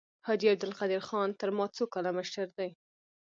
حاجي عبدالقدیر خان تر ما څو کاله مشر دی.